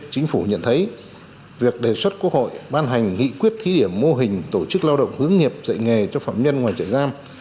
chính phủ nhận thấy việc đề xuất quốc hội ban hành nghị quyết thí điểm mô hình tổ chức lao động hướng nghiệp dạy nghề cho phạm nhân ngoài chạy giam